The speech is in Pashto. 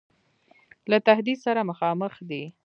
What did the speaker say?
له تهدید سره مخامخ دی.